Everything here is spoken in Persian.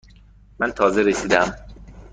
من تازه رسیده ام.